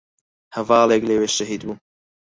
هەڤاڵێک لەوێ شەهید بوو